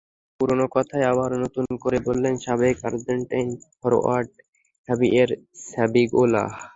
পুরোনো কথাই আবার নতুন করে বললেন সাবেক আর্জেন্টাইন ফরোয়ার্ড হাভিয়ের স্যাভিওলা।